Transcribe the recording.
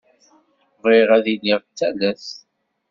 Bɣiɣ ad iliɣ d talast.